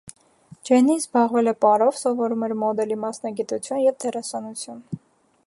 Ջեննին զբաղվել է պարով, սովորում էր մոդելի մասնագիտություն և դերասանություն։